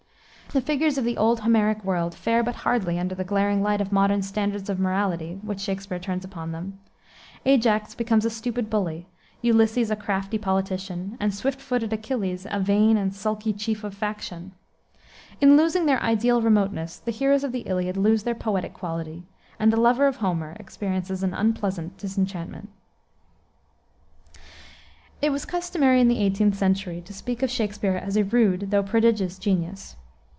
The figures of the old Homeric world fare but hardly under the glaring light of modern standards of morality which Shakspere turns upon them. Ajax becomes a stupid bully, Ulysses a crafty politician, and swift footed Achilles a vain and sulky chief of faction. In losing their ideal remoteness, the heroes of the Iliad lose their poetic quality, and the lover of Homer experiences an unpleasant disenchantment. It was customary in the 18th century to speak of Shakspere as a rude though prodigious genius.